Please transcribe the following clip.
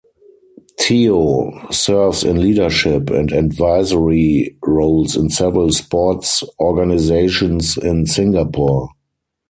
Teo serves in leadership and advisory roles in several sports organisations in Singapore.